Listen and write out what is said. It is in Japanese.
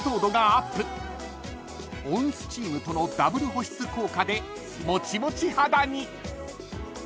［温スチームとのダブル保湿効果でもちもち肌に］